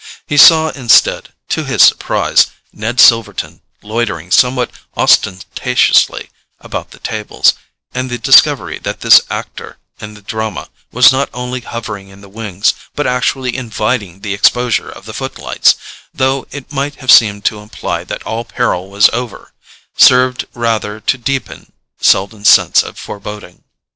He saw instead, to his surprise, Ned Silverton loitering somewhat ostentatiously about the tables; and the discovery that this actor in the drama was not only hovering in the wings, but actually inviting the exposure of the footlights, though it might have seemed to imply that all peril was over, served rather to deepen Selden's sense of foreboding.